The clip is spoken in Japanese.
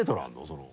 その。